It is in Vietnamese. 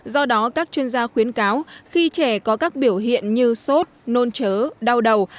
do đó các chuyên gia khuyến cáo khi trẻ có các biểu hiện như sốt nôn chớ đau đầu